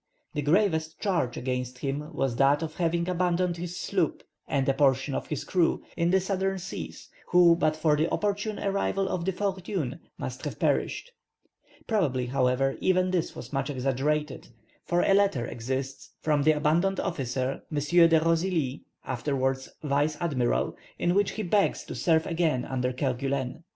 The gravest charge against him was that of having abandoned his sloop and a portion of his crew, in the southern seas, who, but for the opportune arrival of the Fortune, must have perished. Probably, however, even this was much exaggerated, for a letter exists from the abandoned officer, M. de Rosily (afterwards vice admiral), in which he begs to serve again under Kerguelen.